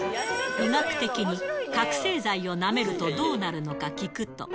医学的に、覚醒剤をなめるとどうなるのか聞くと。